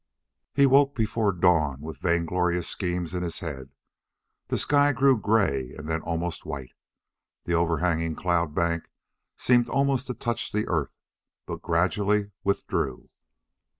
He woke before dawn with vainglorious schemes in his head. The sky grew gray and then almost white. The overhanging cloud bank seemed almost to touch the earth, but gradually withdrew.